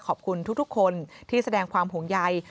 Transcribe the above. ขอบคุณทุกคนที่แสดงความห่วงใย